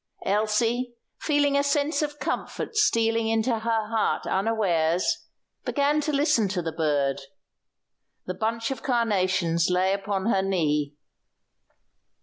Elsie, feeling a sense of comfort stealing into her heart unawares, began to listen to the bird. The bunch of carnations lay upon her knee.